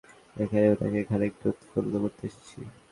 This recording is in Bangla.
এখানে উনাকে খানিকটা উৎফুল্ল করতে এসেছি!